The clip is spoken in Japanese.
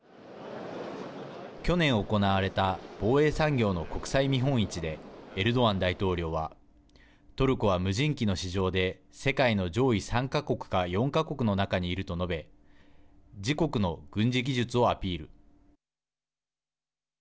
去年行われた防衛産業の国際見本市でエルドアン大統領はトルコは無人機の市場で世界の上位３か国か４か国の中にいると述べ自国の軍事技術をアピール。